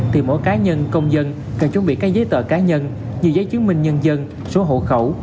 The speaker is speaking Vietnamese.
thì mỗi cá nhân công dân cần chuẩn bị các giấy tờ cá nhân như giấy chứng minh nhân dân số hộ khẩu